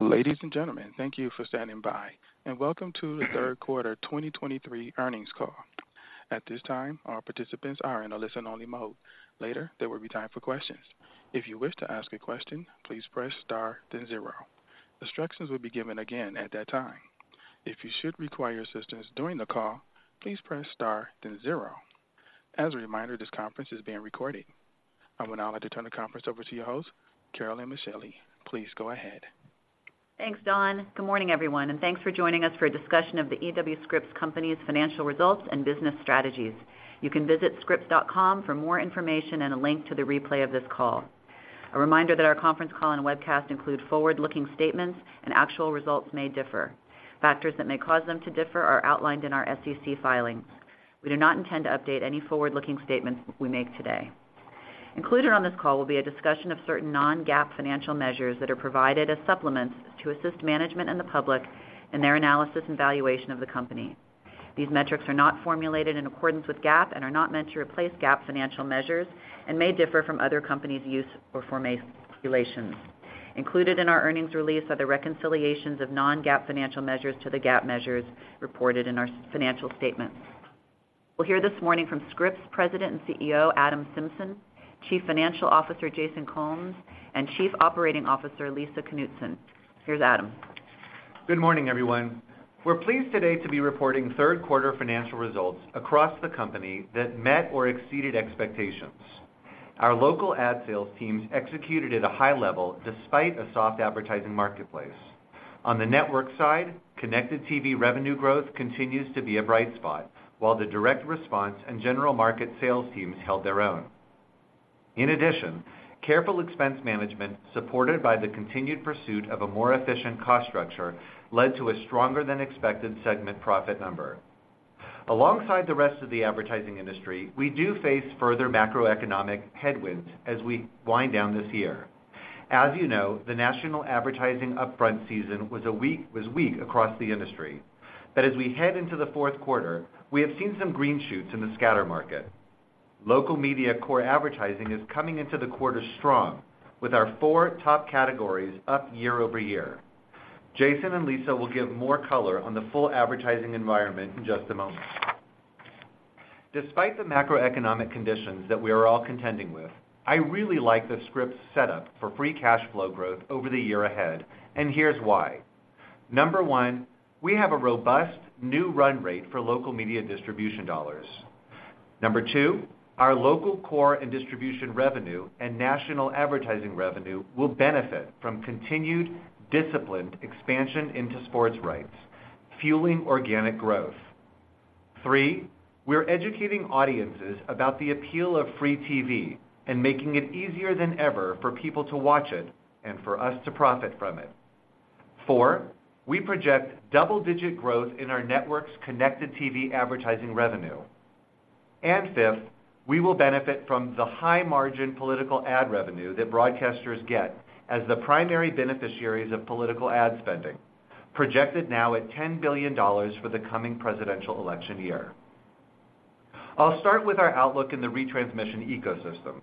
Ladies and gentlemen, thank you for standing by, and welcome to the Q3 2023 Earnings Call. At this time, all participants are in a listen-only mode. Later, there will be time for questions. If you wish to ask a question, please press Star then 0. Instructions will be given again at that time. If you should require assistance during the call, please press Star then 0. As a reminder, this conference is being recorded. I will now like to turn the conference over to your host, Carolyn Micheli. Please go ahead. Thanks, Don. Good morning, everyone, and thanks for joining us for a discussion of The E.W. Scripps Company's Financial Results and Business Strategies. You can visit scripps.com for more information and a link to the replay of this call. A reminder that our conference call and webcast include forward-looking statements and actual results may differ. Factors that may cause them to differ are outlined in our SEC filings. We do not intend to update any forward-looking statements we make today. Included on this call will be a discussion of certain non-GAAP financial measures that are provided as supplements to assist management and the public in their analysis and valuation of the company. These metrics are not formulated in accordance with GAAP and are not meant to replace GAAP financial measures and may differ from other companies' use or formulations. Included in our earnings release are the reconciliations of non-GAAP financial measures to the GAAP measures reported in our financial statements. We'll hear this morning from Scripps President and CEO Adam Symson, Chief Financial Officer Jason Combs, and Chief Operating Officer Lisa Knutson. Here's Adam. Good morning, everyone. We're pleased today to be reporting Q3 financial results across the company that met or exceeded expectations. Our local ad sales teams executed at a high level despite a soft advertising marketplace. On the network side, Connected TV revenue growth continues to be a bright spot, while the Direct Response and General Market sales teams held their own. In addition, careful expense management, supported by the continued pursuit of a more efficient cost structure, led to a stronger than expected segment profit number. Alongside the rest of the advertising industry, we do face further macroeconomic headwinds as we wind down this year. As you know, the national advertising upfront season was weak across the industry. But as we head into the Q4, we have seen some green shoots in the scatter market. Local media core advertising is coming into the quarter strong, with our four top categories up year-over-year. Jason and Lisa will give more color on the full advertising environment in just a moment. Despite the macroeconomic conditions that we are all contending with, I really like the Scripps setup for free cash flow growth over the year ahead, and here's why. Number one, we have a robust new run rate for local media distribution dollars. Number two, our local core and distribution revenue and national advertising revenue will benefit from continued disciplined expansion into sports rights, fueling organic growth. Three, we're educating audiences about the appeal of free TV and making it easier than ever for people to watch it and for us to profit from it. Four, we project double-digit growth in our networks' Connected TV advertising revenue. Fifth, we will benefit from the high-margin political ad revenue that broadcasters get as the primary beneficiaries of political ad spending, projected now at $10 billion for the coming presidential election year. I'll start with our outlook in the retransmission ecosystem.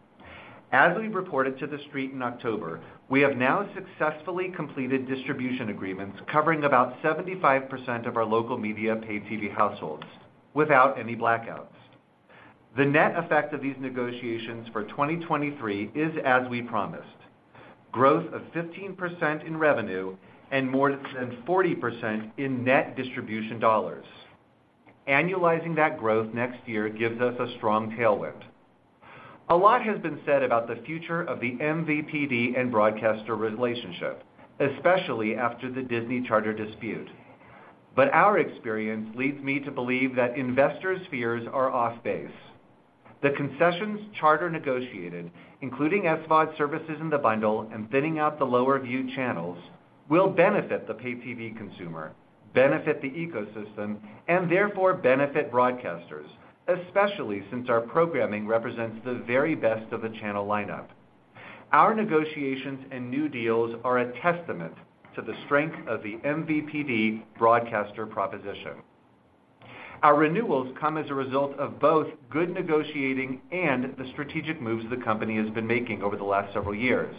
As we reported to the Street in October, we have now successfully completed distribution agreements covering about 75% of our local media pay TV households without any blackouts. The net effect of these negotiations for 2023 is as we promised: growth of 15% in revenue and more than 40% in net distribution dollars. Annualizing that growth next year gives us a strong tailwind. A lot has been said about the future of the MVPD and broadcaster relationship, especially after the Disney-Charter dispute. But our experience leads me to believe that investors' fears are off-base. The concessions Charter negotiated, including SVOD services in the bundle and thinning out the lower-viewed channels, will benefit the pay TV consumer, benefit the ecosystem, and therefore benefit broadcasters, especially since our programming represents the very best of the channel lineup. Our negotiations and new deals are a testament to the strength of the MVPD broadcaster proposition. Our renewals come as a result of both good negotiating and the strategic moves the company has been making over the last several years.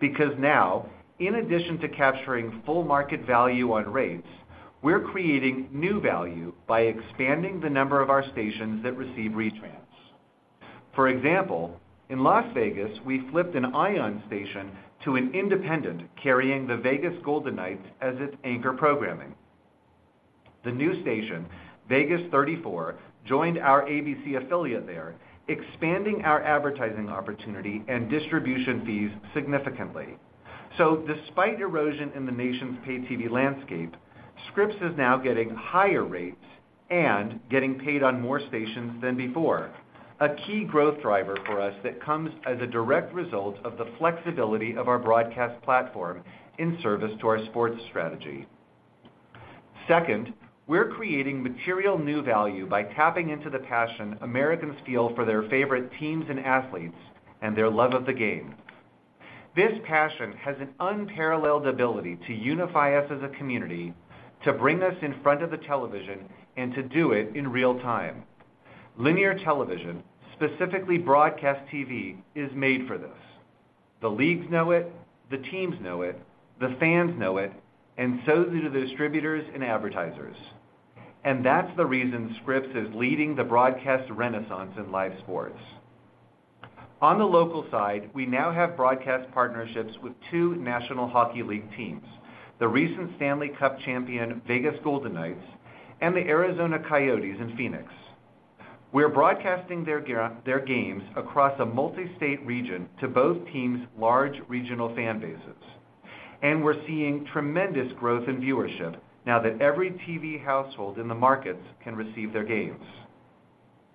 Because now, in addition to capturing full market value on rates, we're creating new value by expanding the number of our stations that receive retrans. For example, in Las Vegas, we flipped an ION station to an independent carrying the Vegas Golden Knights as its anchor programming. The new station, Vegas 34, joined our ABC affiliate there, expanding our advertising opportunity and distribution fees significantly. Despite erosion in the nation's pay TV landscape, Scripps is now getting higher rates and getting paid on more stations than before, a key growth driver for us that comes as a direct result of the flexibility of our broadcast platform in service to our sports strategy. Second, we're creating material new value by tapping into the passion Americans feel for their favorite teams and athletes and their love of the game. This passion has an unparalleled ability to unify us as a community, to bring us in front of the television, and to do it in real time. Linear television, specifically broadcast TV, is made for this. The leagues know it, the teams know it, the fans know it, and so do the distributors and advertisers. That's the reason Scripps is leading the broadcast renaissance in live sports. On the local side, we now have broadcast partnerships with two National Hockey League teams, the recent Stanley Cup champion Vegas Golden Knights and the Arizona Coyotes in Phoenix. We are broadcasting their games across a multi-state region to both teams' large regional fan bases, and we're seeing tremendous growth in viewership now that every TV household in the markets can receive their games.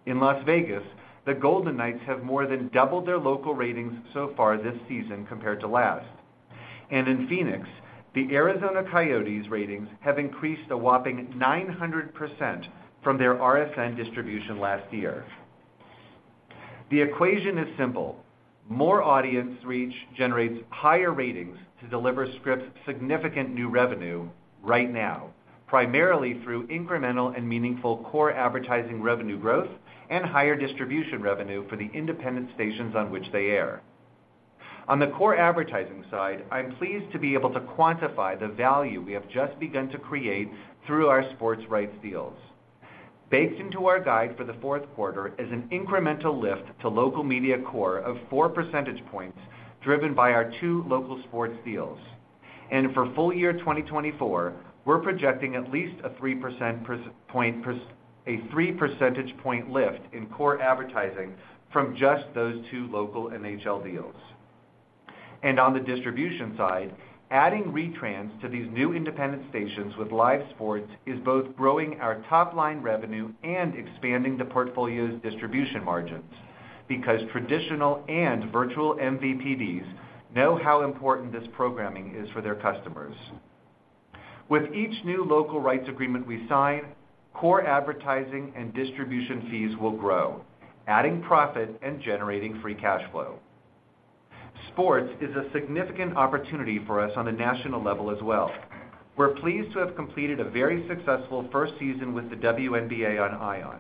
In Las Vegas, the Golden Knights have more than doubled their local ratings so far this season compared to last. And in Phoenix, the Arizona Coyotes' ratings have increased a whopping 900% from their RSN distribution last year. The equation is simple: more audience reach generates higher ratings to deliver Scripps significant new revenue right now, primarily through incremental and meaningful core advertising revenue growth and higher distribution revenue for the independent stations on which they air. On the core advertising side, I'm pleased to be able to quantify the value we have just begun to create through our sports rights deals. Baked into our guide for the Q4 is an incremental lift to local media core of 4 percentage points, driven by our two local sports deals. And for full year 2024, we're projecting at least a 3 percentage point lift in core advertising from just those two local NHL deals. And on the distribution side, adding retrans to these new independent stations with live sports is both growing our top-line revenue and expanding the portfolio's distribution margins, because traditional and virtual MVPDs know how important this programming is for their customers. With each new local rights agreement we sign, core advertising and distribution fees will grow, adding profit and generating free cash flow. Sports is a significant opportunity for us on a national level as well. We're pleased to have completed a very successful first season with the WNBA on ION.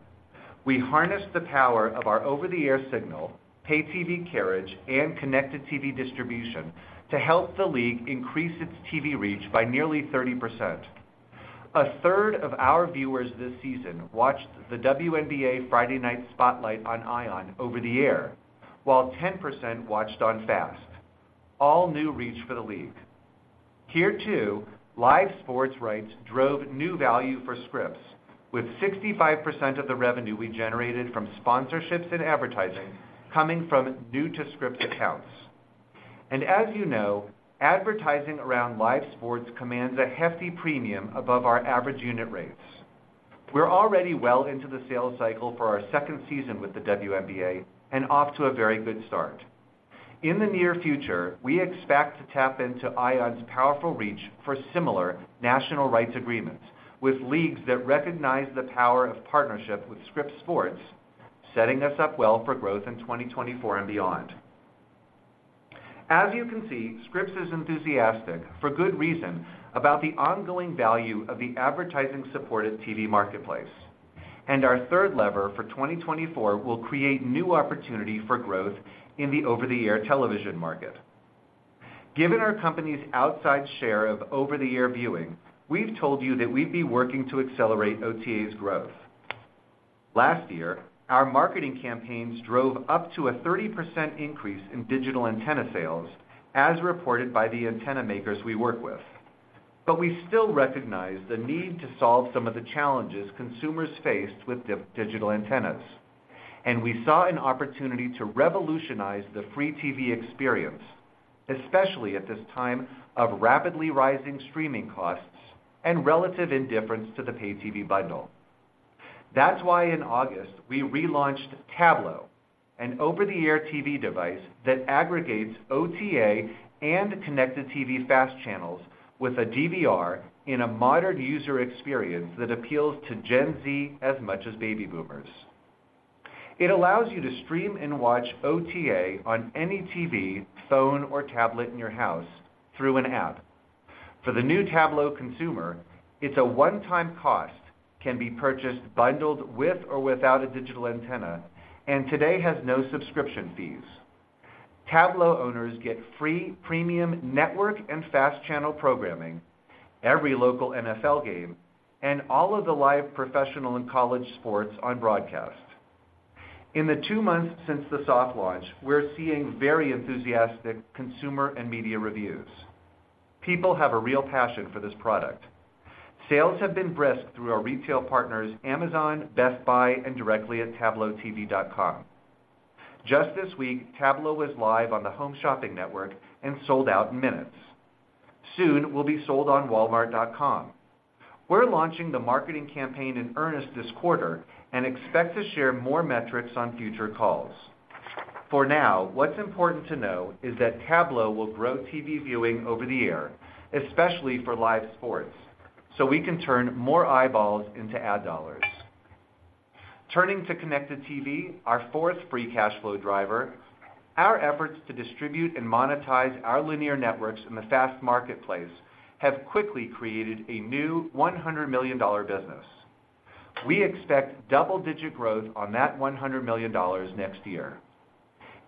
We harnessed the power of our over-the-air signal, pay TV carriage, and Connected TV distribution to help the league increase its TV reach by nearly 30%. A third of our viewers this season watched the WNBA Friday night spotlight on ION over-the-air, while 10% watched on FAST, all new reach for the league. Here, too, live sports rights drove new value for Scripps, with 65% of the revenue we generated from sponsorships and advertising coming from new-to-Scripps accounts. As you know, advertising around live sports commands a hefty premium above our average unit rates. We're already well into the sales cycle for our second season with the WNBA, and off to a very good start. In the near future, we expect to tap into ION's powerful reach for similar national rights agreements, with leagues that recognize the power of partnership with Scripps Sports, setting us up well for growth in 2024 and beyond. As you can see, Scripps is enthusiastic, for good reason, about the ongoing value of the advertising-supported TV marketplace, and our third lever for 2024 will create new opportunity for growth in the over-the-air television market. Given our company's outsize share of over-the-air viewing, we've told you that we'd be working to accelerate OTA's growth. Last year, our marketing campaigns drove up to a 30% increase in digital antenna sales, as reported by the antenna makers we work with. But we still recognize the need to solve some of the challenges consumers faced with digital antennas, and we saw an opportunity to revolutionize the free TV experience, especially at this time of rapidly rising streaming costs and relative indifference to the pay TV bundle. That's why in August, we relaunched Tablo, an over-the-air TV device that aggregates OTA and Connected TV FAST channels with a DVR in a modern user experience that appeals to Gen Z as much as baby boomers. It allows you to stream and watch OTA on any TV, phone, or tablet in your house through an app. For the new Tablo consumer, it's a one-time cost, can be purchased bundled with or without a digital antenna, and today has no subscription fees. Tablo owners get free premium network and FAST channel programming, every local NFL game, and all of the live professional and college sports on broadcast. In the two months since the soft launch, we're seeing very enthusiastic consumer and media reviews. People have a real passion for this product. Sales have been brisk through our retail partners, Amazon, Best Buy, and directly at TabloTV.com. Just this week, Tablo was live on the Home Shopping Network and sold out in minutes. Soon, will be sold on Walmart.com. We're launching the marketing campaign in earnest this quarter and expect to share more metrics on future calls. For now, what's important to know is that Tablo will grow TV viewing over the air, especially for live sports, so we can turn more eyeballs into ad dollars. Turning to Connected TV, our fourth free cash flow driver. Our efforts to distribute and monetize our linear networks in the FAST marketplace have quickly created a new $100 million business. We expect double-digit growth on that $100 million next year.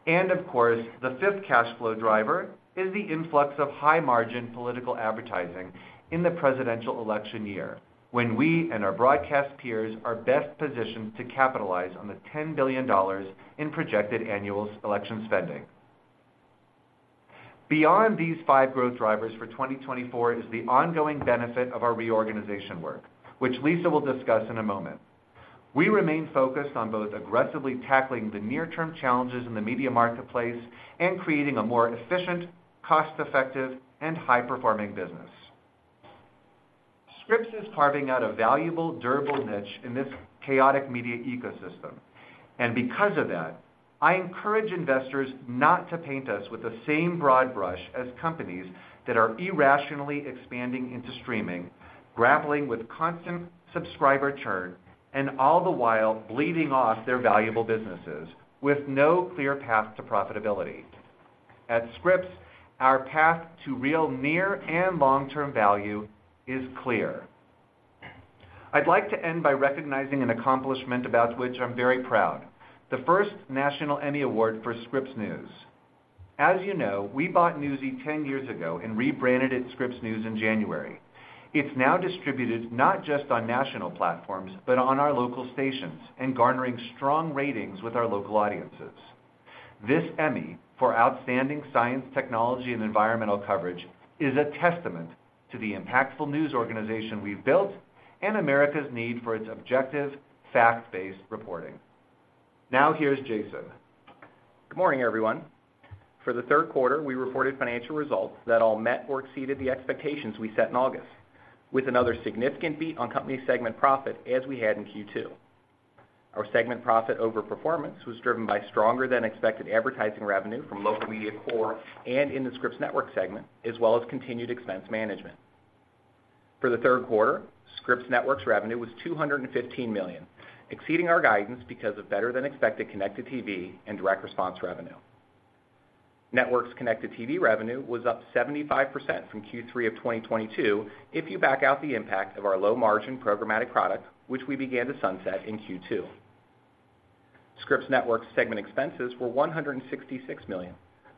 And of course, the fifth cash flow driver is the influx of high-margin political advertising in the presidential election year, when we and our broadcast peers are best positioned to capitalize on the $10 billion in projected annual election spending. Beyond these five growth drivers for 2024 is the ongoing benefit of our reorganization work, which Lisa will discuss in a moment. We remain focused on both aggressively tackling the near-term challenges in the media marketplace and creating a more efficient, cost-effective, and high-performing business. Scripps is carving out a valuable, durable niche in this chaotic media ecosystem, and because of that, I encourage investors not to paint us with the same broad brush as companies that are irrationally expanding into streaming, grappling with constant subscriber churn, and all the while bleeding off their valuable businesses, with no clear path to profitability. At Scripps, our path to real, near, and long-term value is clear. I'd like to end by recognizing an accomplishment about which I'm very proud, the first national Emmy Award for Scripps News. As you know, we bought Newsy ten years ago and rebranded it Scripps News in January. It's now distributed not just on national platforms, but on our local stations and garnering strong ratings with our local audiences. This Emmy for Outstanding Science, Technology, and Environmental Coverage is a testament to the impactful news organization we've built and America's need for its objective, fact-based reporting. Now, here's Jason. Good morning, everyone. For the Q3, we reported financial results that all met or exceeded the expectations we set in August, with another significant beat on company segment profit as we had in Q2. Our segment profit over performance was driven by stronger than expected advertising revenue from Local Media Core and in the Scripps Networks segment, as well as continued expense management. For the Q3, Scripps Networks revenue was $215 million, exceeding our guidance because of better than expected Connected TV and Direct Response revenue. Networks Connected TV revenue was up 75% from Q3 of 2022, if you back out the impact of our low-margin programmatic product, which we began to sunset in Q2. Scripps Networks segment expenses were $166 million,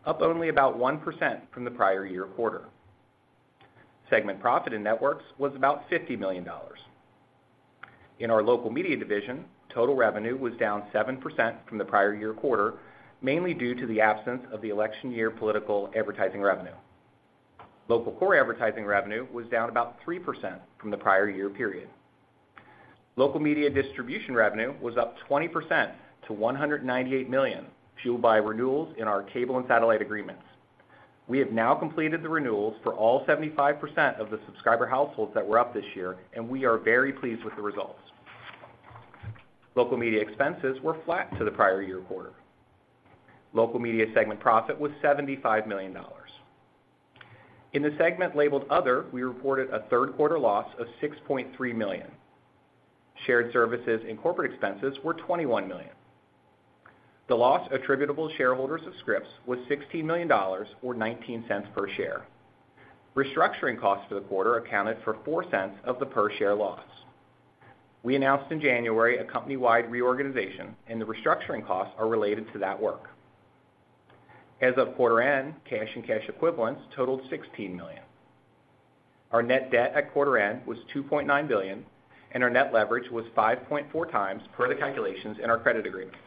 up only about 1% from the prior year quarter. Segment profit in networks was about $50 million. In our local media division, total revenue was down 7% from the prior year quarter, mainly due to the absence of the election year political advertising revenue. Local core advertising revenue was down about 3% from the prior year period. Local media distribution revenue was up 20% to $198 million, fueled by renewals in our cable and satellite agreements. We have now completed the renewals for all 75% of the subscriber households that were up this year, and we are very pleased with the results. Local media expenses were flat to the prior year quarter. Local media segment profit was $75 million. In the segment labeled Other, we reported a Q3 loss of $6.3 million. Shared services and corporate expenses were $21 million. The loss attributable to shareholders of Scripps was $16 million or $0.19 per share. Restructuring costs for the quarter accounted for $0.04 of the per-share loss. We announced in January a company-wide reorganization, and the restructuring costs are related to that work. As of quarter end, cash and cash equivalents totaled $16 million. Our net debt at quarter end was $2.9 billion, and our net leverage was 5.4 times per the calculations in our credit agreement.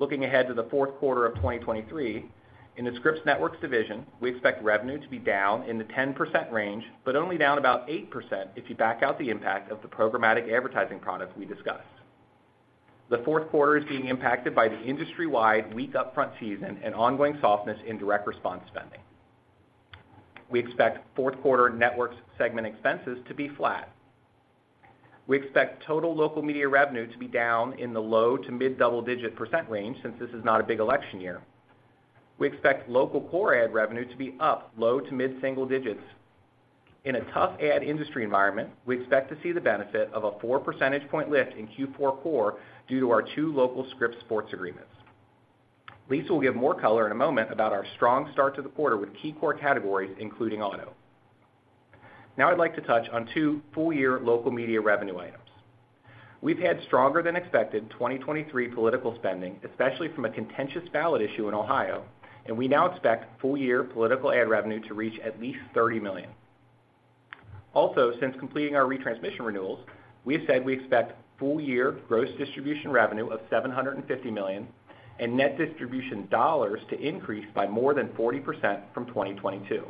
Looking ahead to the Q4 of 2023, in the Scripps Networks division, we expect revenue to be down in the 10% range, but only down about 8% if you back out the impact of the programmatic advertising products we discussed. The Q4 is being impacted by the industry-wide weak upfront season and ongoing softness in direct response spending. We expect Q4 networks segment expenses to be flat. We expect total local media revenue to be down in the low- to mid-double-digit % range, since this is not a big election year. We expect local core ad revenue to be up low- to mid-single digits. In a tough ad industry environment, we expect to see the benefit of a 4 percentage point lift in Q4 core due to our 2 local Scripps Sports agreements. Lisa will give more color in a moment about our strong start to the quarter with key core categories, including auto. Now I'd like to touch on 2 full-year local media revenue items. We've had stronger than expected 2023 political spending, especially from a contentious ballot issue in Ohio, and we now expect full-year political ad revenue to reach at least $30 million. Also, since completing our retransmission renewals, we have said we expect full-year gross distribution revenue of $750 million and net distribution dollars to increase by more than 40% from 2022.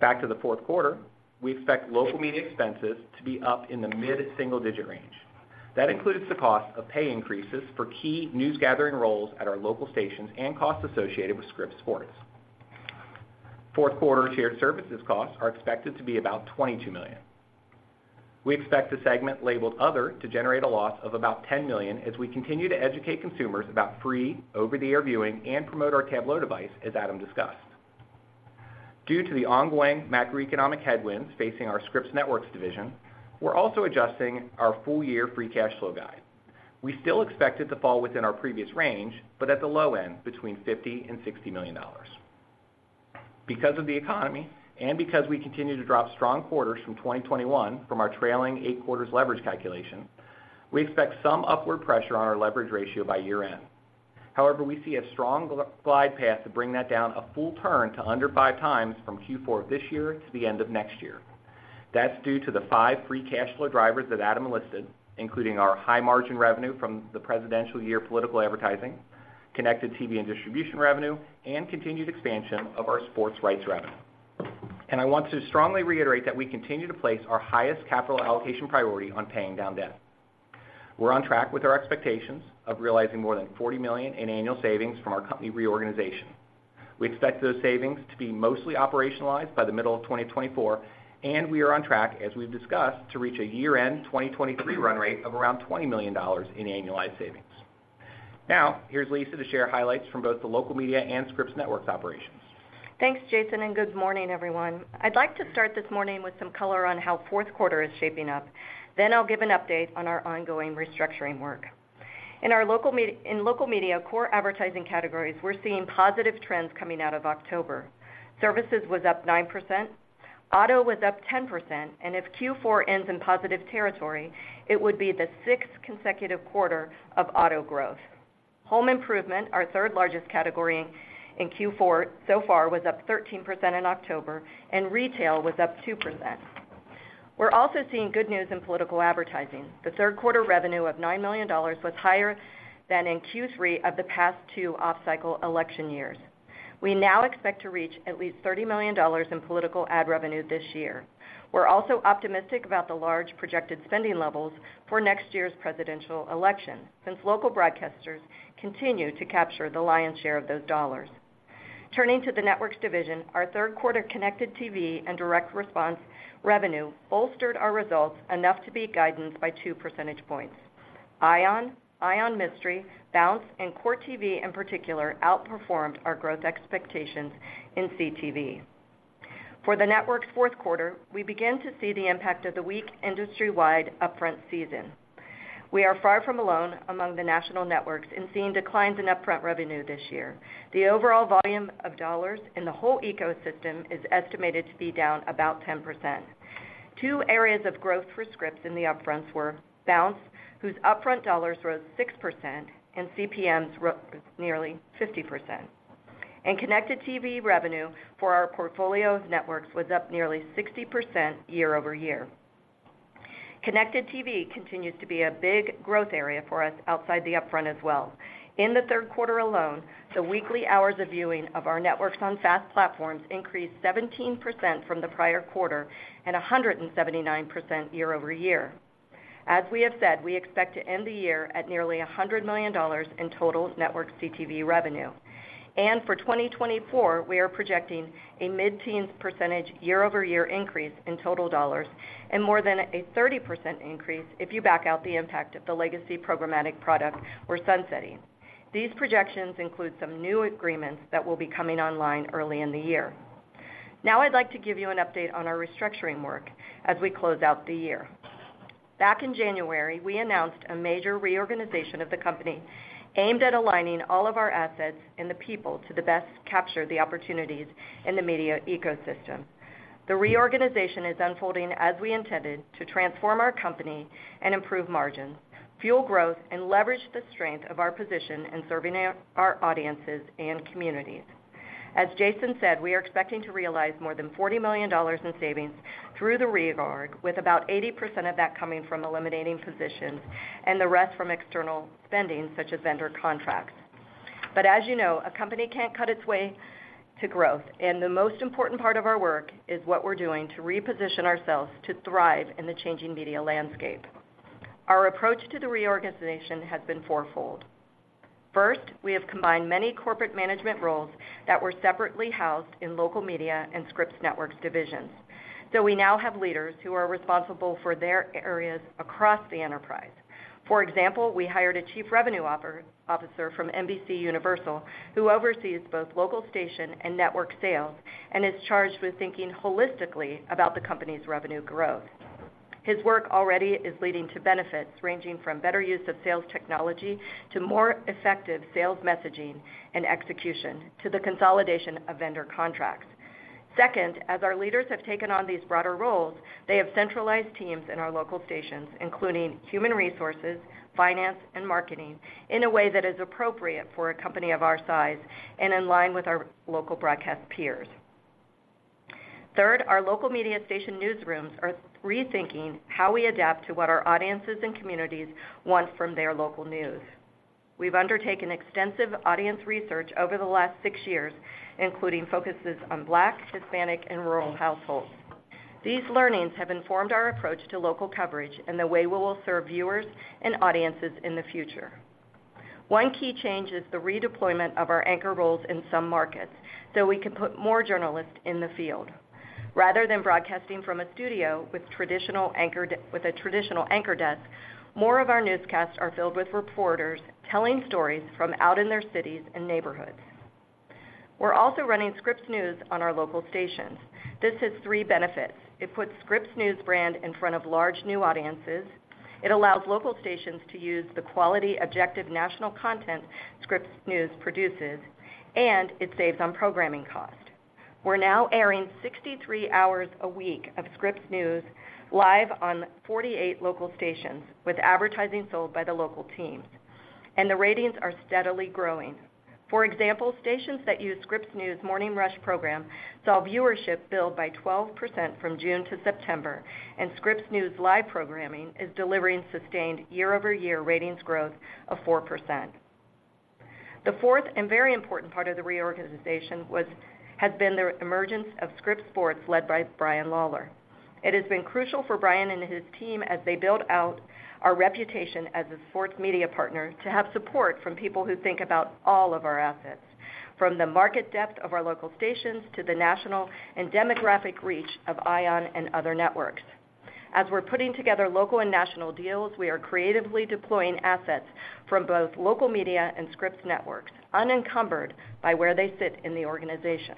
Back to the Q4, we expect local media expenses to be up in the mid-single-digit range. That includes the cost of pay increases for key news gathering roles at our local stations and costs associated with Scripps Sports. Q4 shared services costs are expected to be about $22 million. We expect the segment labeled Other to generate a loss of about $10 million as we continue to educate consumers about free, over-the-air viewing and promote our Tablo device, as Adam discussed. Due to the ongoing macroeconomic headwinds facing our Scripps Networks division, we're also adjusting our full year free cash flow guide. We still expect it to fall within our previous range, but at the low end, between $50 million and $60 million. Because of the economy, and because we continue to drop strong quarters from 2021 from our trailing 8 quarters leverage calculation, we expect some upward pressure on our leverage ratio by year-end. However, we see a strong glide path to bring that down a full turn to under 5x from Q4 this year to the end of next year. That's due to the 5 free cash flow drivers that Adam listed, including our high margin revenue from the presidential year political advertising, Connected TV and distribution revenue, and continued expansion of our sports rights revenue. I want to strongly reiterate that we continue to place our highest capital allocation priority on paying down debt. We're on track with our expectations of realizing more than $40 million in annual savings from our company reorganization. We expect those savings to be mostly operationalized by the middle of 2024, and we are on track, as we've discussed, to reach a year-end 2023 run rate of around $20 million in annualized savings. Now, here's Lisa to share highlights from both the Local Media and Scripps Networks operations. Thanks, Jason, and good morning, everyone. I'd like to start this morning with some color on how Q4 is shaping up. Then I'll give an update on our ongoing restructuring work. In our Local Media core advertising categories, we're seeing positive trends coming out of October. Services was up 9%, auto was up 10%, and if Q4 ends in positive territory, it would be the sixth consecutive quarter of auto growth. Home improvement, our third largest category in Q4 so far, was up 13% in October, and retail was up 2%. We're also seeing good news in political advertising. The Q3 revenue of $9 million was higher than in Q3 of the past two off-cycle election years. We now expect to reach at least $30 million in political ad revenue this year. We're also optimistic about the large projected spending levels for next year's presidential election, since local broadcasters continue to capture the lion's share of those dollars. Turning to the Networks division, our Q3 Connected TV and Direct Response revenue bolstered our results enough to beat guidance by two percentage points. ION, ION Mystery, Bounce, and Court TV, in particular, outperformed our growth expectations in CTV. For the network's Q4, we began to see the impact of the weak industry-wide upfront season. We are far from alone among the national networks in seeing declines in upfront revenue this year. The overall volume of dollars in the whole ecosystem is estimated to be down about 10%. Two areas of growth for Scripps in the upfronts were Bounce, whose upfront dollars rose 6% and CPMs rose nearly 50%, and Connected TV revenue for our portfolio of networks was up nearly 60% year-over-year. Connected TV continues to be a big growth area for us outside the upfront as well. In the Q3 alone, the weekly hours of viewing of our networks on FAST platforms increased 17% from the prior quarter and 179% year-over-year. As we have said, we expect to end the year at nearly $100 million in total network CTV revenue. For 2024, we are projecting a mid-teen % year-over-year increase in total dollars and more than a 30% increase if you back out the impact of the legacy programmatic product we're sunsetting. These projections include some new agreements that will be coming online early in the year. Now, I'd like to give you an update on our restructuring work as we close out the year. Back in January, we announced a major reorganization of the company aimed at aligning all of our assets and the people to the best capture the opportunities in the media ecosystem. The reorganization is unfolding as we intended to transform our company and improve margins, fuel growth, and leverage the strength of our position in serving our, our audiences and communities. As Jason said, we are expecting to realize more than $40 million in savings through the reorg, with about 80% of that coming from eliminating positions and the rest from external spending, such as vendor contracts. But as you know, a company can't cut its way to growth, and the most important part of our work is what we're doing to reposition ourselves to thrive in the changing media landscape. Our approach to the reorganization has been fourfold. First, we have combined many corporate management roles that were separately housed in Local Media and Scripps Networks divisions. So we now have leaders who are responsible for their areas across the enterprise. For example, we hired a Chief Revenue Officer from NBCUniversal, who oversees both local station and network sales and is charged with thinking holistically about the company's revenue growth. His work already is leading to benefits ranging from better use of sales technology to more effective sales messaging and execution, to the consolidation of vendor contracts. Second, as our leaders have taken on these broader roles, they have centralized teams in our local stations, including human resources, finance, and marketing, in a way that is appropriate for a company of our size and in line with our local broadcast peers. Third, our local media station newsrooms are rethinking how we adapt to what our audiences and communities want from their local news. We've undertaken extensive audience research over the last six years, including focuses on Black, Hispanic, and rural households. These learnings have informed our approach to local coverage and the way we will serve viewers and audiences in the future. One key change is the redeployment of our anchor roles in some markets, so we can put more journalists in the field, rather than broadcasting from a studio with traditional anchored, with a traditional anchor desk, more of our newscasts are filled with reporters telling stories from out in their cities and neighborhoods. We're also running Scripps News on our local stations. This has three benefits: It puts Scripps News brand in front of large new audiences, it allows local stations to use the quality, objective, national content Scripps News produces, and it saves on programming cost. We're now airing 63 hours a week of Scripps News live on 48 local stations, with advertising sold by the local teams, and the ratings are steadily growing. For example, stations that use Scripps News Morning Rush program saw viewership build by 12% from June to September, and Scripps News live programming is delivering sustained year-over-year ratings growth of 4%. The fourth and very important part of the reorganization has been the emergence of Scripps Sports, led by Brian Lawlor. It has been crucial for Brian and his team as they build out our reputation as a sports media partner, to have support from people who think about all of our assets, from the market depth of our local stations to the national and demographic reach of ION and other networks. As we're putting together local and national deals, we are creatively deploying assets from both local media and Scripps networks, unencumbered by where they sit in the organization.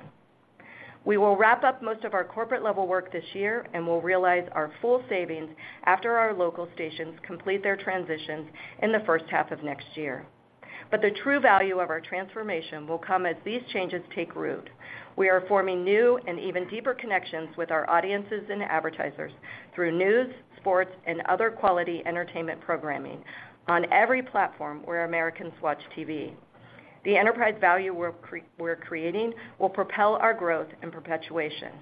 We will wrap up most of our corporate-level work this year, and we'll realize our full savings after our local stations complete their transitions in the first half of next year. But the true value of our transformation will come as these changes take root. We are forming new and even deeper connections with our audiences and advertisers through news, sports, and other quality entertainment programming on every platform where Americans watch TV. The enterprise value we're creating will propel our growth and perpetuation.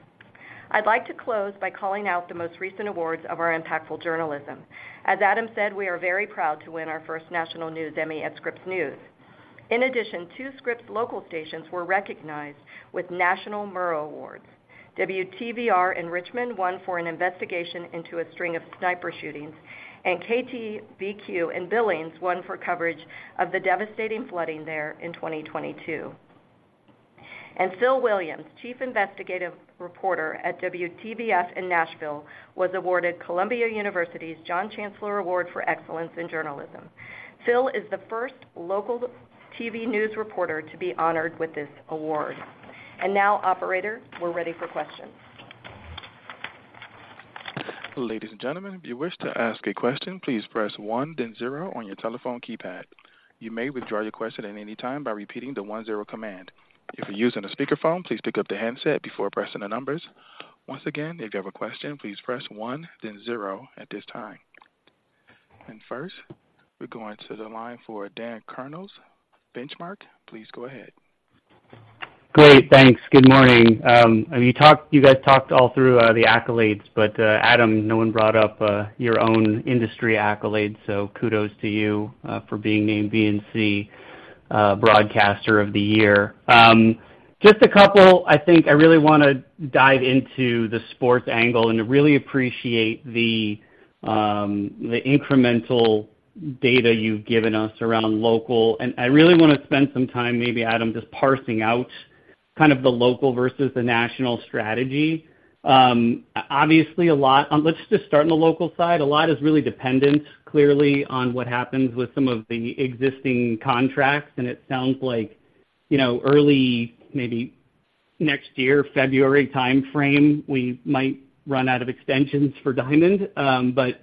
I'd like to close by calling out the most recent awards of our impactful journalism. As Adam said, we are very proud to win our first national news Emmy at Scripps News. In addition, two Scripps local stations were recognized with national Murrow Awards. WTVR in Richmond won for an investigation into a string of sniper shootings, and KTVQ in Billings won for coverage of the devastating flooding there in 2022. Phil Williams, chief investigative reporter at WTVF in Nashville, was awarded Columbia University's John Chancellor Award for Excellence in Journalism. Phil is the first local TV news reporter to be honored with this award. Now, operator, we're ready for questions. Ladies and gentlemen, if you wish to ask a question, please press 1, then 0 on your telephone keypad. You may withdraw your question at any time by repeating the 1-0 command. If you're using a speakerphone, please pick up the handset before pressing the numbers. Once again, if you have a question, please press 1, then 0 at this time. First, we're going to the line for Dan Kurnos, Benchmark. Please go ahead. Great, thanks. Good morning. You talked—you guys talked all through the accolades, but, Adam, no one brought up your own industry accolades, so kudos to you for being named B&C Broadcaster of the Year. Just a couple, I think I really want to dive into the sports angle and really appreciate the incremental data you've given us around local. And I really want to spend some time, maybe, Adam, just parsing out kind of the local versus the national strategy. Obviously, a lot. Let's just start on the local side. A lot is really dependent, clearly, on what happens with some of the existing contracts, and it sounds like, you know, early, maybe next year, February time frame, we might run out of extensions for Diamond. But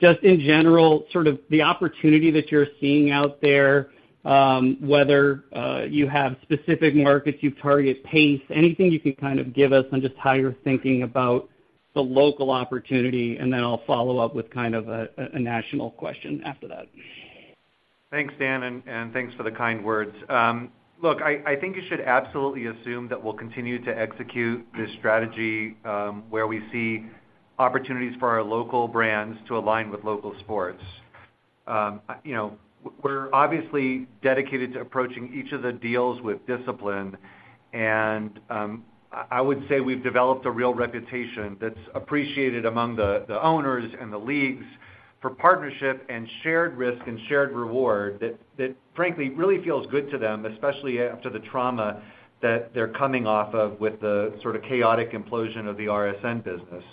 just in general, sort of the opportunity that you're seeing out there, whether you have specific markets, you target pace, anything you can kind of give us on just how you're thinking about the local opportunity, and then I'll follow up with kind of a national question after that. Thanks, Dan, and thanks for the kind words. Look, I think you should absolutely assume that we'll continue to execute this strategy, where we see opportunities for our local brands to align with local sports. You know, we're obviously dedicated to approaching each of the deals with discipline, and I would say we've developed a real reputation that's appreciated among the owners and the leagues for partnership and shared risk and shared reward, that frankly really feels good to them, especially after the trauma that they're coming off of with the sort of chaotic implosion of the RSN business.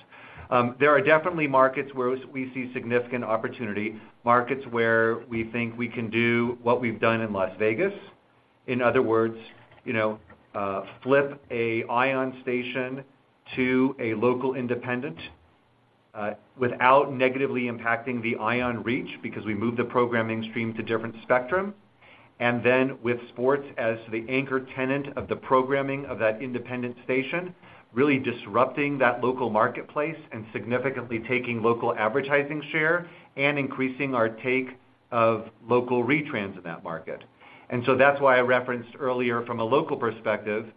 There are definitely markets where we see significant opportunity, markets where we think we can do what we've done in Las Vegas. In other words, you know, flip a ION station to a local independent, without negatively impacting the ION reach, because we moved the programming stream to different spectrum. And then with sports as the anchor tenant of the programming of that independent station, really disrupting that local marketplace and significantly taking local advertising share and increasing our take of local retrans in that market. And so that's why I referenced earlier, from a local perspective,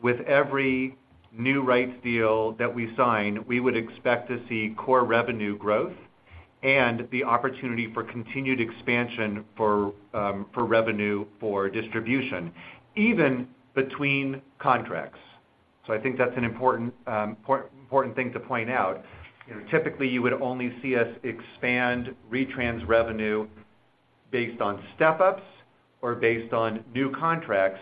with every new rights deal that we sign, we would expect to see core revenue growth and the opportunity for continued expansion for, for revenue, for distribution, even between contracts. So I think that's an important, important thing to point out. You know, typically, you would only see us expand retrans revenue based on step-ups or based on new contracts.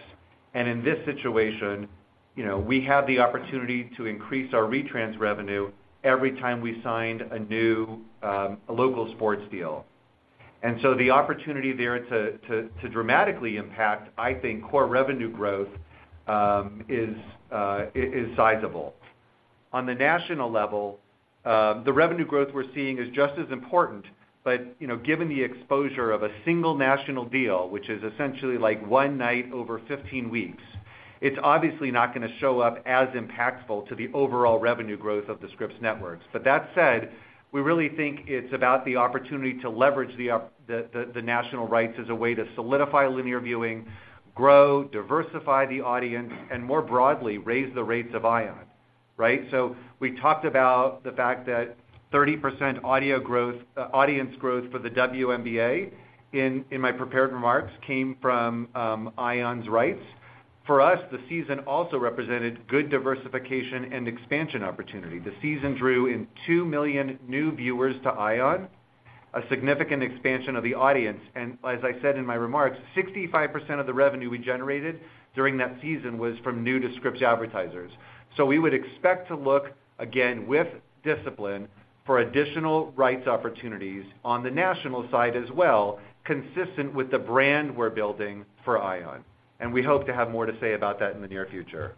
And in this situation, you know, we have the opportunity to increase our retrans revenue every time we signed a new a local sports deal. And so the opportunity there to dramatically impact, I think, core revenue growth, is sizable. On the national level, the revenue growth we're seeing is just as important, but, you know, given the exposure of a single national deal, which is essentially like one night over 15 weeks, it's obviously not gonna show up as impactful to the overall revenue growth of the Scripps Networks. But that said, we really think it's about the opportunity to leverage the national rights as a way to solidify linear viewing, grow, diversify the audience, and more broadly, raise the rates of ION, right? So we talked about the fact that 30% audience growth for the WNBA in my prepared remarks came from ION's rights. For us, the season also represented good diversification and expansion opportunity. The season drew in 2 million new viewers to ION, a significant expansion of the audience. And as I said in my remarks, 65% of the revenue we generated during that season was from new-to-Scripps advertisers. So we would expect to look again, with discipline, for additional rights opportunities on the national side as well, consistent with the brand we're building for ION. And we hope to have more to say about that in the near future.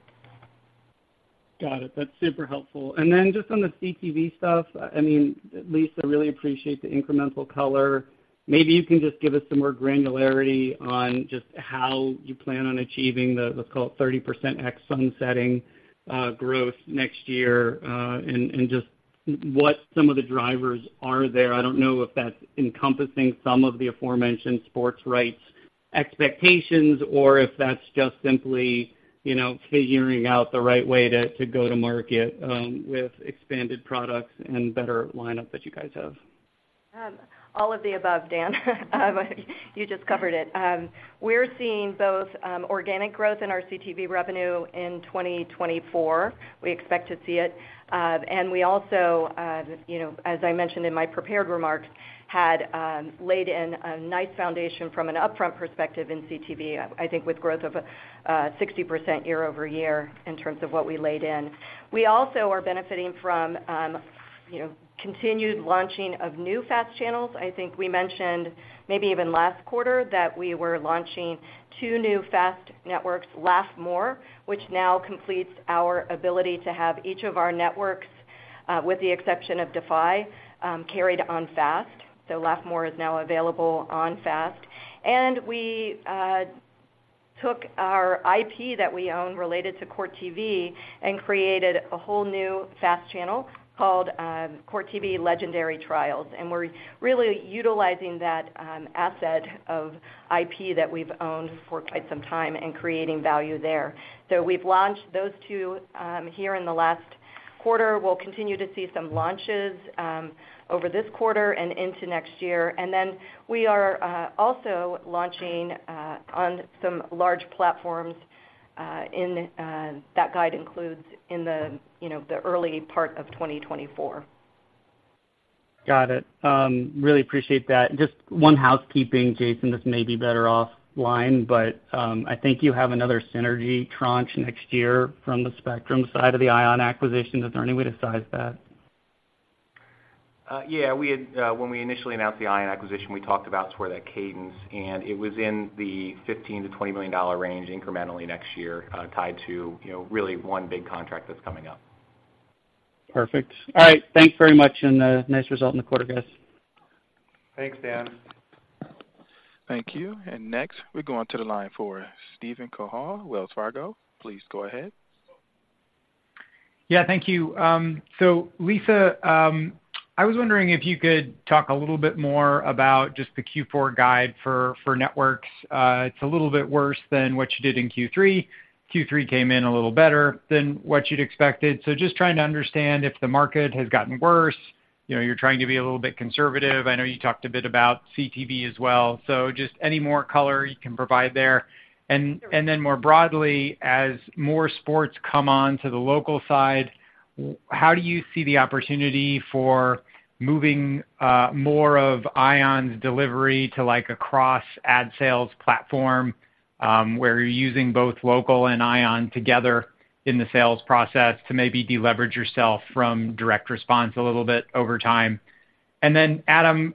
Got it. That's super helpful. And then just on the CTV stuff, I mean, Lisa, I really appreciate the incremental color. Maybe you can just give us some more granularity on just how you plan on achieving the, let's call it, 30% ex-sunsetting growth next year, and just what some of the drivers are there. I don't know if that's encompassing some of the aforementioned sports rights expectations, or if that's just simply, you know, figuring out the right way to go to market with expanded products and better lineup that you guys have. All of the above, Dan. You just covered it. We're seeing both, organic growth in our CTV revenue in 2024. We expect to see it. And we also, you know, as I mentioned in my prepared remarks, had laid in a nice foundation from an upfront perspective in CTV, I think with growth of 60% year-over-year in terms of what we laid in. We also are benefiting from, you know, continued launching of new FAST channels. I think we mentioned maybe even last quarter, that we were launching 2 new FAST networks, Laff More, which now completes our ability to have each of our networks, with the exception of Defy, carried on FAST. So Laff More is now available on FAST. And we took our IP that we own related to Court TV and created a whole new FAST channel called Court TV Legendary Trials. And we're really utilizing that asset of IP that we've owned for quite some time and creating value there. So we've launched those two here in the last quarter. We'll continue to see some launches over this quarter and into next year. And then we are also launching on some large platforms in that guide includes in the you know the early part of 2024. Got it. Really appreciate that. Just one housekeeping, Jason, this may be better offline, but I think you have another synergy tranche next year from the spectrum side of the ION acquisition. Is there any way to size that? Yeah, when we initially announced the ION acquisition, we talked about sort of that cadence, and it was in the $15 million-$20 million range incrementally next year, tied to, you know, really one big contract that's coming up. Perfect. All right. Thanks very much, and nice result in the quarter, guys. Thanks, Dan. Thank you. And next, we go on to the line for Steven Cahall, Wells Fargo. Please go ahead. Yeah, thank you. So Lisa, I was wondering if you could talk a little bit more about just the Q4 guide for networks. It's a little bit worse than what you did in Q3. Q3 came in a little better than what you'd expected. So just trying to understand if the market has gotten worse, you know, you're trying to be a little bit conservative. I know you talked a bit about CTV as well, so just any more color you can provide there. And then more broadly, as more sports come on to the local side, how do you see the opportunity for moving more of ION's delivery to, like, a cross ad sales platform, where you're using both local and ION together in the sales process to maybe deleverage yourself from Direct Response a little bit over time? Adam,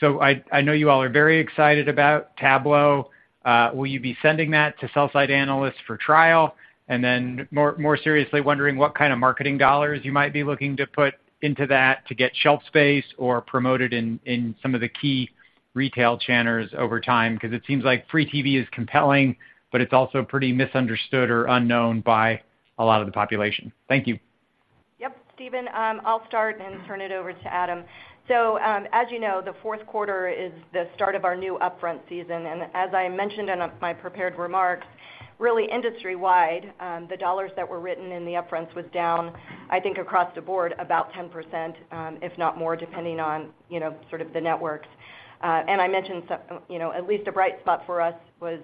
so I know you all are very excited about Tablo. Will you be sending that to sell-side analysts for trial? And then more seriously, wondering what kind of marketing dollars you might be looking to put into that to get shelf space or promote it in some of the key retail channels over time, because it seems like free TV is compelling, but it's also pretty misunderstood or unknown by a lot of the population. Thank you. Yep, Steven, I'll start and turn it over to Adam. So, as you know, the Q4 is the start of our new upfront season, and as I mentioned in my prepared remarks, really industry-wide, the dollars that were written in the upfront was down, I think, across the board, about 10%, if not more, depending on, you know, sort of the networks. And I mentioned some, you know, at least a bright spot for us was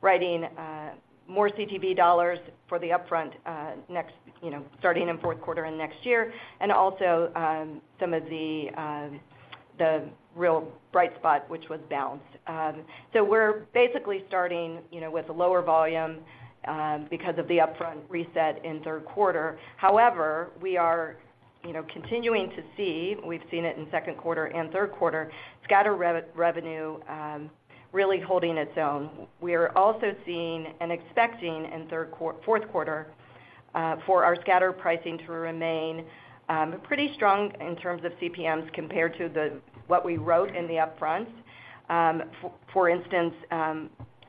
writing more CTV dollars for the upfront, next, you know, starting in Q4 and next year, and also, some of the, the real bright spot, which was Bounce. So we're basically starting, you know, with a lower volume, because of the upfront reset in Q3. However, we are-you know, continuing to see, we've seen it in Q2 and Q3, scatter revenue really holding its own. We are also seeing and expecting in Q4 for our scatter pricing to remain pretty strong in terms of CPMs compared to what we wrote in the upfront. For instance,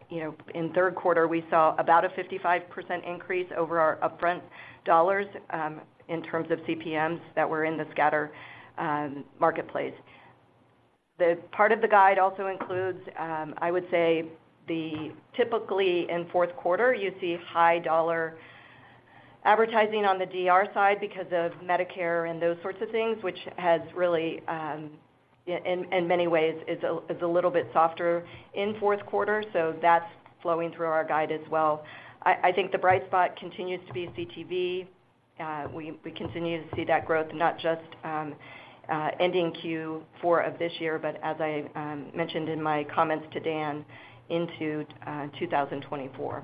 you know, in Q3, we saw about a 55% increase over our upfront dollars in terms of CPMs that were in the scatter marketplace. The part of the guide also includes, I would say, the typically in Q4, you see high dollar advertising on the DR side because of Medicare and those sorts of things, which has really, yeah, in many ways is a little bit softer in Q4, so that's flowing through our guide as well. I think the bright spot continues to be CTV. We continue to see that growth, not just ending Q4 of this year, but as I mentioned in my comments to Dan, into 2024.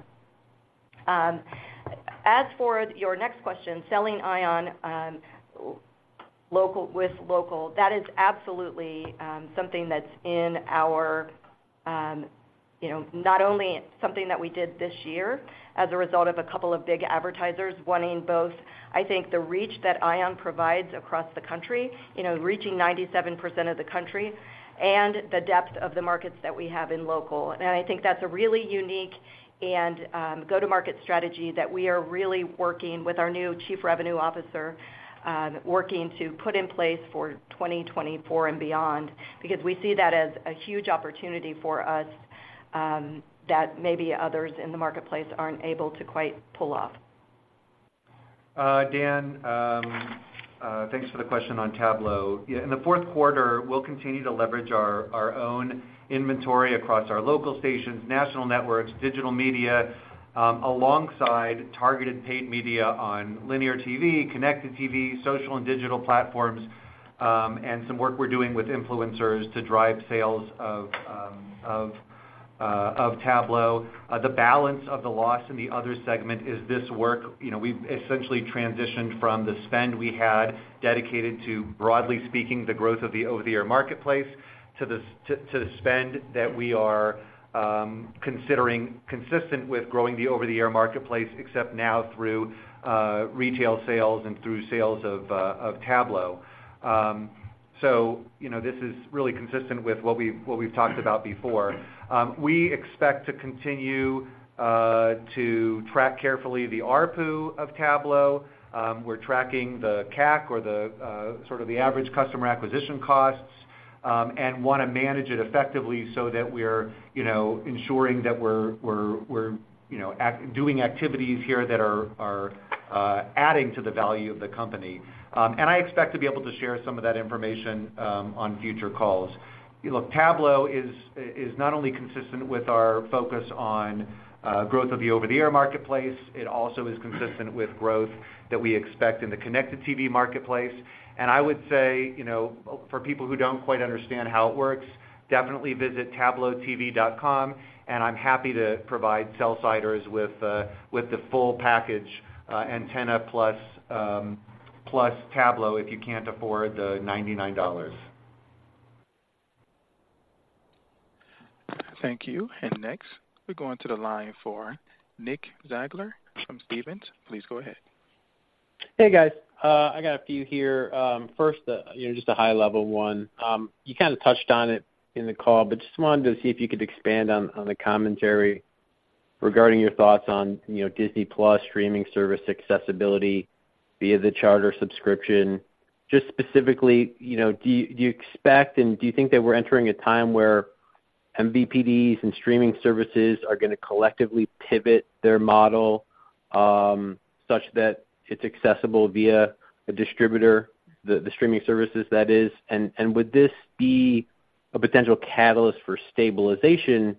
As for your next question, selling ION with local, that is absolutely something that's in our you know, not only something that we did this year as a result of a couple of big advertisers wanting both. I think the reach that ION provides across the country, you know, reaching 97% of the country, and the depth of the markets that we have in local. I think that's a really unique and go-to-market strategy that we are really working with our new Chief Revenue Officer working to put in place for 2024 and beyond, because we see that as a huge opportunity for us that maybe others in the marketplace aren't able to quite pull off. Dan, thanks for the question on Tablo. Yeah, in the Q4, we'll continue to leverage our own inventory across our local stations, national networks, digital media, alongside targeted paid media on linear TV, Connected TV, social and digital platforms, and some work we're doing with influencers to drive sales of Tablo. The balance of the loss in the other segment is this work. You know, we've essentially transitioned from the spend we had dedicated to, broadly speaking, the growth of the over-the-air marketplace, to the spend that we are considering consistent with growing the over-the-air marketplace, except now through retail sales and through sales of Tablo. So, you know, this is really consistent with what we've talked about before. We expect to continue to track carefully the ARPU of Tablo. We're tracking the CAC or the sort of the average customer acquisition costs, and wanna manage it effectively so that we're, you know, ensuring that we're doing activities here that are adding to the value of the company. I expect to be able to share some of that information on future calls. Look, Tablo is not only consistent with our focus on growth of the over-the-air marketplace, it also is consistent with growth that we expect in the Connected TV marketplace. I would say, you know, for people who don't quite understand how it works, definitely visit tablotv.com, and I'm happy to provide sell-siders with the full package, antenna plus Tablo, if you can't afford the $99. Thank you. Next, we go onto the line for Nick Zangler from Stephens. Please go ahead. Hey, guys. I got a few here. First, you know, just a high-level one. You kinda touched on it in the call, but just wanted to see if you could expand on the commentary regarding your thoughts on, you know, Disney+ streaming service accessibility via the Charter subscription. Just specifically, you know, do you expect, and do you think that we're entering a time where MVPDs and streaming services are gonna collectively pivot their model such that it's accessible via a distributor, the streaming services, that is? And would this be a potential catalyst for stabilization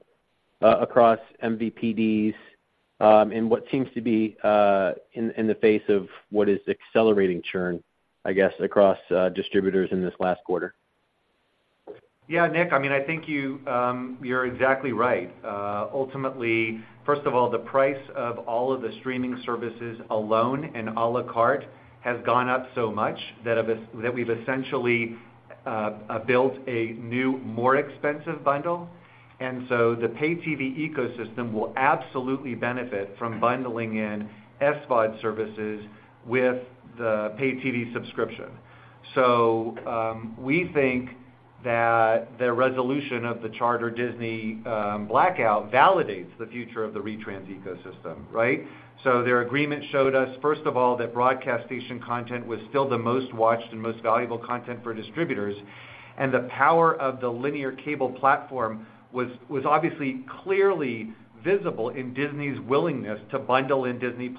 across MVPDs in what seems to be in the face of what is accelerating churn, I guess, across distributors in this last quarter? Yeah, Nick, I mean, I think you, you're exactly right. Ultimately, first of all, the price of all of the streaming services alone and à la carte has gone up so much that we've essentially built a new, more expensive bundle. And so the paid TV ecosystem will absolutely benefit from bundling in SVOD services with the paid TV subscription. So, we think that the resolution of the Charter-Disney, blackout validates the future of the retrans ecosystem, right? So their agreement showed us, first of all, that broadcast station content was still the most watched and most valuable content for distributors, and the power of the linear cable platform was obviously clearly visible in Disney's willingness to bundle in Disney+,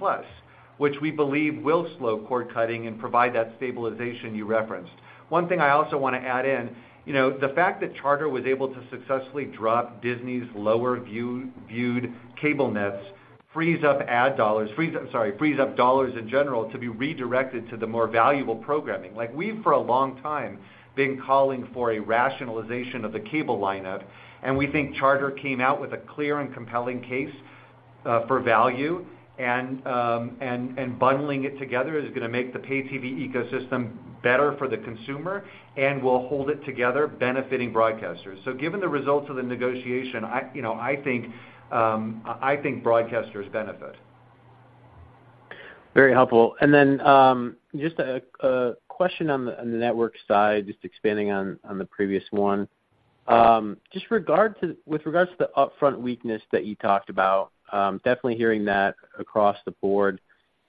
which we believe will slow cord-cutting and provide that stabilization you referenced. One thing I also wanna add in, you know, the fact that Charter was able to successfully drop Disney's lower viewed, viewed cable nets, frees up ad dollars, frees up, sorry, frees up dollars in general to be redirected to the more valuable programming. Like, we've, for a long time, been calling for a rationalization of the cable lineup, and we think Charter came out with a clear and compelling case for value and bundling it together is going to make the pay TV ecosystem better for the consumer and will hold it together, benefiting broadcasters. So given the results of the negotiation, I, you know, I think broadcasters benefit. Very helpful. And then, just a question on the network side, just expanding on the previous one. Just with regards to the Upfront weakness that you talked about, definitely hearing that across the board.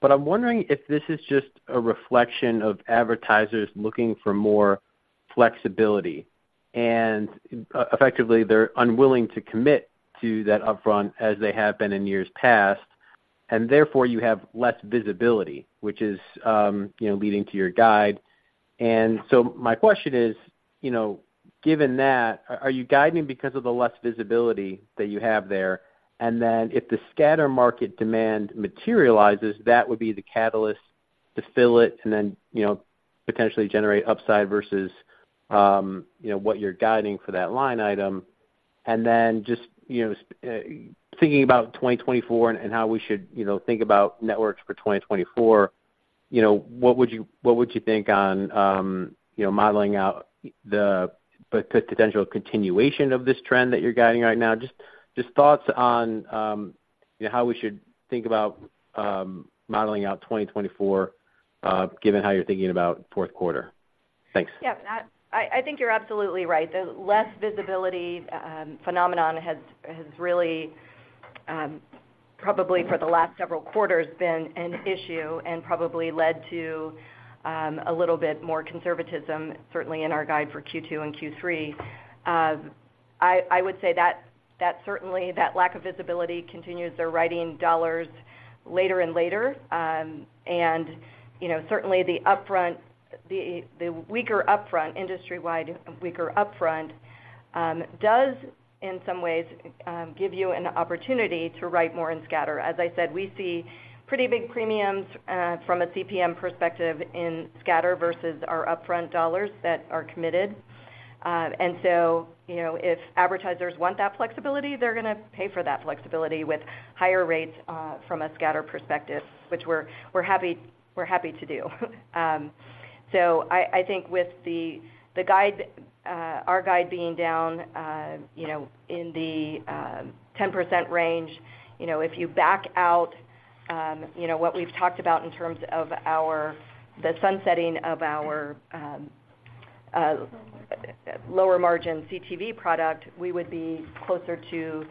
But I'm wondering if this is just a reflection of advertisers looking for more flexibility, and effectively, they're unwilling to commit to that Upfront as they have been in years past, and therefore, you have less visibility, which is, you know, leading to your guide. And so my question is, you know, given that, are you guiding because of the less visibility that you have there? And then if the scatter market demand materializes, that would be the catalyst to fill it and then, you know, potentially generate upside versus, you know, what you're guiding for that line item. And then just, you know, thinking about 2024 and how we should, you know, think about networks for 2024, you know, what would you, what would you think on, you know, modeling out the potential continuation of this trend that you're guiding right now? Just, just thoughts on, you know, how we should think about modeling out 2024, given how you're thinking about Q4. Thanks. Yeah. I think you're absolutely right. The less visibility phenomenon has really probably for the last several quarters been an issue and probably led to a little bit more conservatism, certainly in our guide for Q2 and Q3. I would say that certainly that lack of visibility continues. They're writing dollars later and later. And, you know, certainly the upfront, the weaker upfront, industry-wide weaker upfront does, in some ways, give you an opportunity to write more in scatter. As I said, we see pretty big premiums from a CPM perspective in scatter versus our upfront dollars that are committed. And so, you know, if advertisers want that flexibility, they're going to pay for that flexibility with higher rates from a scatter perspective, which we're happy to do. So I think with the guide being down, you know, in the 10% range, you know, if you back out, you know, what we've talked about in terms of our the sunsetting of our lower margin CTV product, we would be closer to, you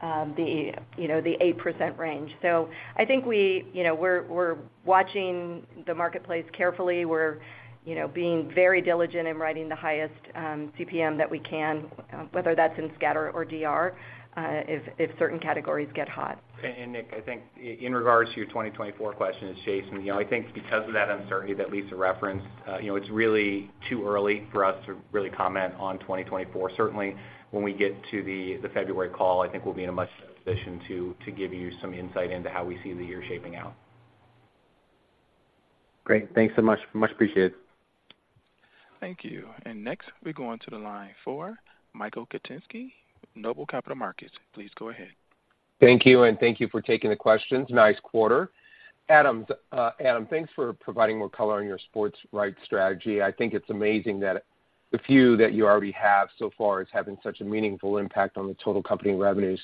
know, the 8% range. So I think we, you know, we're watching the marketplace carefully. We're, you know, being very diligent in writing the highest CPM that we can, whether that's in scatter or DR, if certain categories get hot. Nick, I think in regards to your 2024 question, it's Jason. You know, I think because of that uncertainty that Lisa referenced, you know, it's really too early for us to really comment on 2024. Certainly, when we get to the February call, I think we'll be in a much better position to give you some insight into how we see the year shaping out. Great. Thanks so much. Much appreciated. Thank you. Next, we go on to the line for Michael Kupinski, Noble Capital Markets. Please go ahead. Thank you, and thank you for taking the questions. Nice quarter. Adam, Adam, thanks for providing more color on your sports rights strategy. I think it's amazing that the few that you already have so far is having such a meaningful impact on the total company revenues.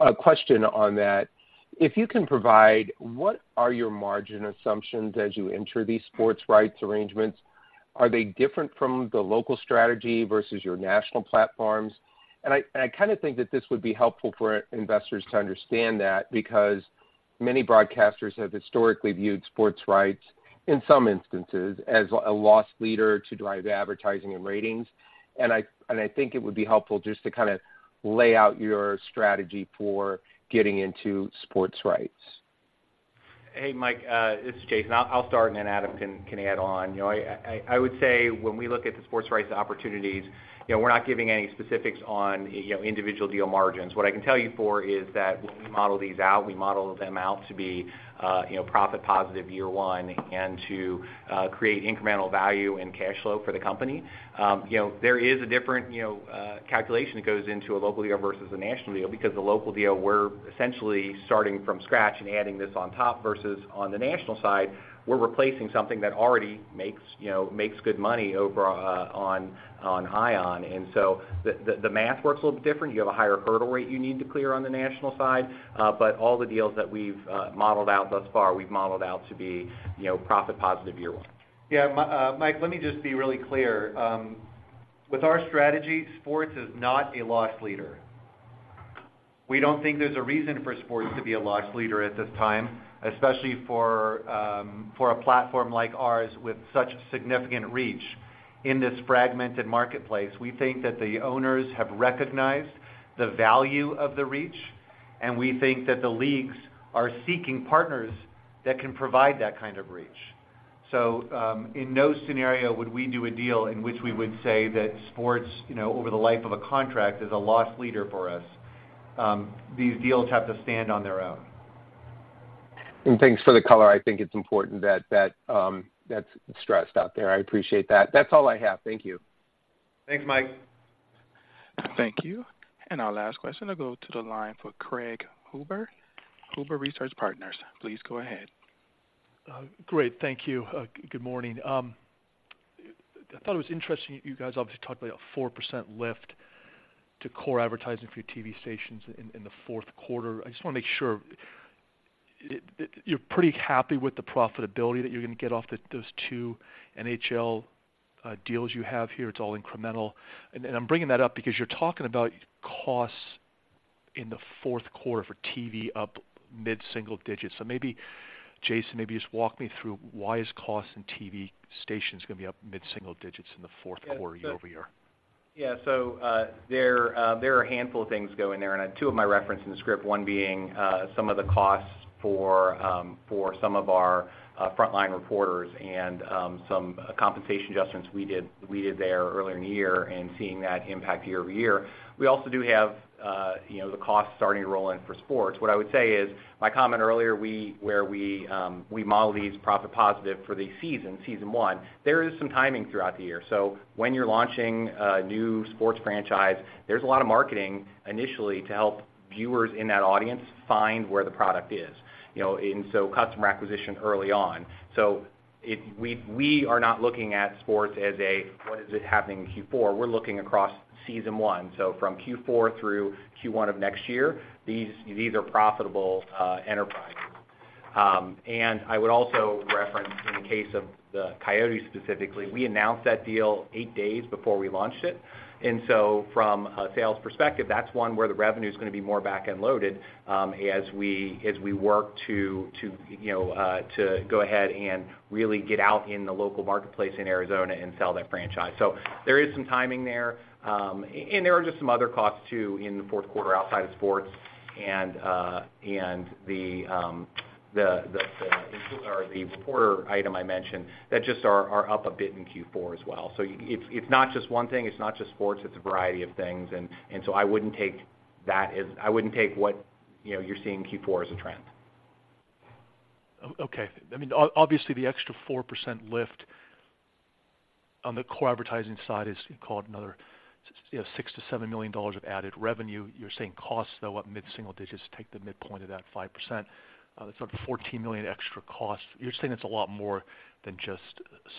A question on that: If you can provide, what are your margin assumptions as you enter these sports rights arrangements? Are they different from the local strategy versus your national platforms? And I kind of think that this would be helpful for investors to understand that, because many broadcasters have historically viewed sports rights, in some instances, as a loss leader to drive advertising and ratings. And I think it would be helpful just to kind of lay out your strategy for getting into sports rights. Hey, Mike, this is Jason. I'll start, and then Adam can add on. You know, I would say when we look at the sports rights opportunities, you know, we're not giving any specifics on, you know, individual deal margins. What I can tell you for is that when we model these out, we model them out to be, you know, profit positive year one, and to create incremental value and cash flow for the company. You know, there is a different, you know, calculation that goes into a local deal versus a national deal. Because the local deal, we're essentially starting from scratch and adding this on top, versus on the national side, we're replacing something that already makes, you know, makes good money over, on ION. And so the math works a little bit different. You have a higher hurdle rate you need to clear on the national side, but all the deals that we've modeled out thus far, we've modeled out to be, you know, profit positive year one. Yeah, Mike, let me just be really clear. With our strategy, sports is not a loss leader. We don't think there's a reason for sports to be a loss leader at this time, especially for a platform like ours, with such significant reach in this fragmented marketplace. We think that the owners have recognized the value of the reach, and we think that the leagues are seeking partners that can provide that kind of reach. So, in no scenario would we do a deal in which we would say that sports, you know, over the life of a contract, is a loss leader for us. These deals have to stand on their own. And thanks for the color. I think it's important that that's stressed out there. I appreciate that. That's all I have. Thank you. Thanks, Mike. Thank you. Our last question will go to the line for Craig Huber, Huber Research Partners. Please go ahead. Great. Thank you. Good morning. I thought it was interesting, you guys obviously talked about a 4% lift to core advertising for your TV stations in the Q4. I just want to make sure it-- you're pretty happy with the profitability that you're going to get off those two NHL deals you have here. It's all incremental. And I'm bringing that up because you're talking about costs in the Q4 for TV up mid-single digits. So maybe Jason, maybe just walk me through why is costs in TV stations going to be up mid-single digits in the Q4 year-over-year? Yeah. So, there are a handful of things going there, and two of my reference in the script, one being, some of the costs for some of our frontline reporters and some compensation adjustments we did there earlier in the year and seeing that impact year-over-year. We also do have, you know, the costs starting to roll in for sports. What I would say is, my comment earlier, we, where we, we model these profit positive for the season, season one, there is some timing throughout the year. So when you're launching a new sports franchise, there's a lot of marketing initially to help viewers in that audience find where the product is, you know, and so customer acquisition early on. So if we are not looking at sports as what's happening in Q4? We're looking across season one, so from Q4 through Q1 of next year, these are profitable enterprises. And I would also reference, in the case of the Coyotes specifically, we announced that deal 8 days before we launched it. And so from a sales perspective, that's one where the revenue is going to be more back-end loaded, as we work to you know to go ahead and really get out in the local marketplace in Arizona and sell that franchise. So there is some timing there, and there are just some other costs, too, in the Q4 outside of sports and the reporter item I mentioned, that just are up a bit in Q4 as well. So it's not just one thing, it's not just sports, it's a variety of things. And so I wouldn't take that as—I wouldn't take what, you know, you're seeing in Q4 as a trend. Okay. I mean, obviously, the extra 4% lift on the core advertising side is called another $6 million-$7 million of added revenue. You're saying costs, though, up mid-single digits, take the midpoint of that 5%. That's up to $14 million extra costs. You're saying it's a lot more than just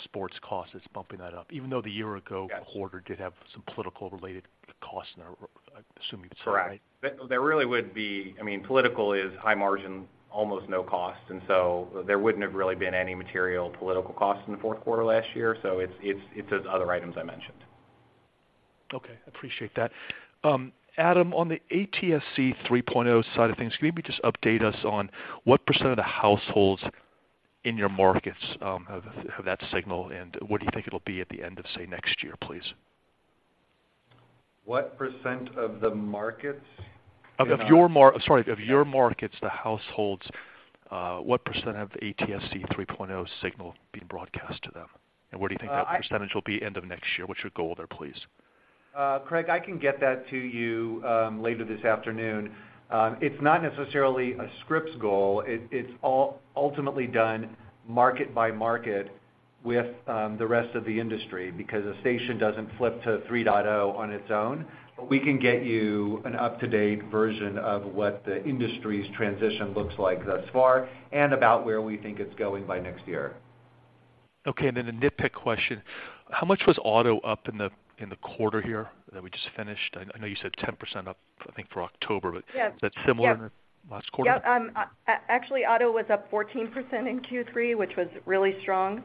sports costs that's bumping that up, even though the year ago- Yes. -quarter did have some political-related costs in there, I assume you'd say, right? Correct. There really would be, I mean, political is high margin, almost no cost, and so there wouldn't have really been any material political costs in the Q4 last year. So it's those other items I mentioned. Okay, appreciate that. Adam, on the ATSC 3.0 side of things, can you maybe just update us on what percent of the households in your markets have that signal, and what do you think it'll be at the end of, say, next year, please? What % of the markets? Of your markets, sorry, of your markets, the households, what % of ATSC 3.0 signal being broadcast to them? And where do you think that percentage will be end of next year? What's your goal there, please? Craig, I can get that to you later this afternoon. It's not necessarily a Scripps goal. It's all ultimately done market by market with the rest of the industry because a station doesn't flip to 3.0 on its own. But we can get you an up-to-date version of what the industry's transition looks like thus far and about where we think it's going by next year. Okay, and then a nitpick question: How much was auto up in the quarter here that we just finished? I know you said 10% up, I think, for October- Yes. But is that similar in the last quarter? Yep. Actually, auto was up 14% in Q3, which was really strong.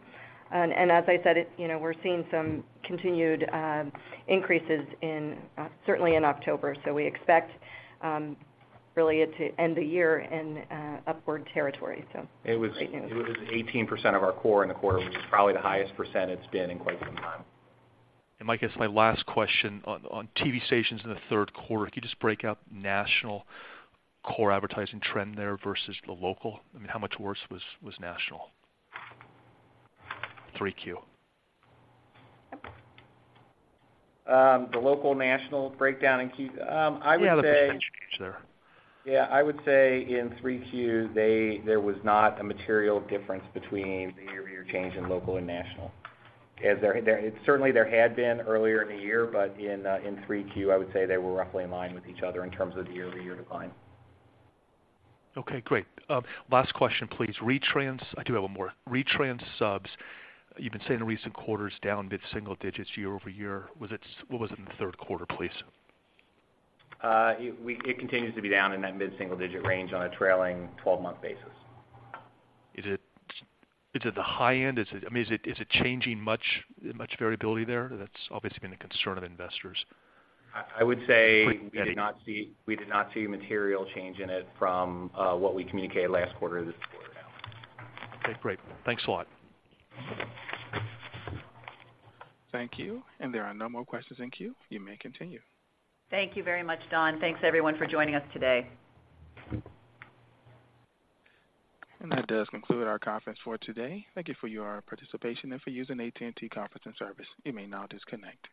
And as I said, it, you know, we're seeing some continued increases in certainly in October, so we expect really it to end the year in upward territory. So- It was 18% of our core in the quarter, which is probably the highest % it's been in quite some time. It's my last question. On TV stations in the Q3, if you just break out national core advertising trend there versus the local, I mean, how much worse was national? Q3. The local national breakdown in Q1. I would say- Yeah, there's been change there. Yeah, I would say in Q3, there was not a material difference between the year-over-year change in local and national. As there, certainly, there had been earlier in the year, but in Q3, I would say they were roughly in line with each other in terms of the year-over-year decline. Okay, great. Last question, please. Retrans, I do have one more. Retrans subs, you've been saying in recent quarters, down mid-single digits year-over-year. What was it in the Q3, please? It continues to be down in that mid-single-digit range on a trailing twelve-month basis. Is it the high end? Is it, I mean, is it changing much variability there? That's obviously been a concern of investors. I would say we did not see material change in it from what we communicated last quarter to this quarter now. Okay, great. Thanks a lot. Thank you. There are no more questions in queue. You may continue. Thank you very much, Don. Thanks, everyone, for joining us today. That does conclude our conference for today. Thank you for your participation and for using AT&T conference service. You may now disconnect.